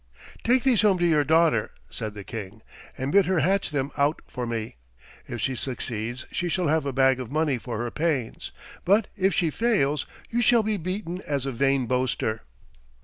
"Take these home to your daughter," said the King, "and bid her hatch them out for me. If she succeeds she shall have a bag of money for her pains, but if she fails you shall be beaten as a vain boaster."